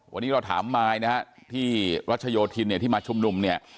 วันนี้เราถามมายนะฮะที่รัชโยธินเนี่ยที่มาชุมนุมเนี่ย